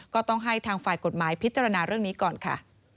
ก็ต้องให้ทางฝ่ายกฎหมายพิจารณาเรื่องนี้ก่อนค่ะ